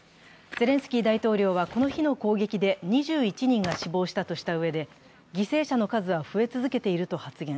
ゼレンスキー大統領はこの日の攻撃で２１人が死亡したとしたうえで、犠牲者の数は増え続けていると発言。